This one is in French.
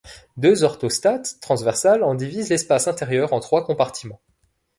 Deux orthostates transversales en divisent l'espace intérieur en trois compartiments.